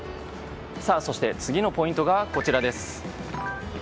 そして、次のポイントがこちら。